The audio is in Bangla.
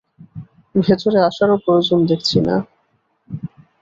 ভেতরে আসারও প্রয়োজন দেখছি না।